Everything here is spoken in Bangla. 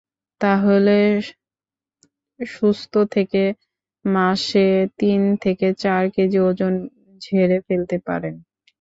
তাহলেই সুস্থ থেকে মাসে তিন থেকে চার কেজি ওজন ঝেড়ে ফেলতে পারেন।